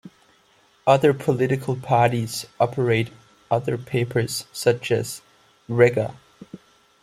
Other political parties operate other papers such as "Regar".